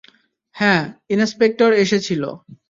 হ্যাঁ, ইন্সপেক্টর এসেছিল।